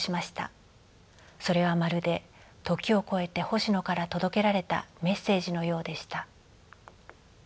それはまるで時を超えて星野から届けられたメッセージのようでした。